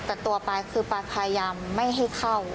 แต่ตัวปลาคือปลาพยายามไม่ให้เข้า